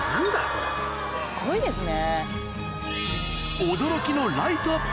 すごいですね。